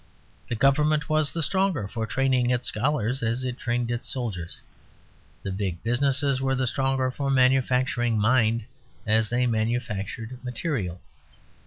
The government was the stronger for training its scholars as it trained its soldiers; the big businesses were the stronger for manufacturing mind as they manufactured material.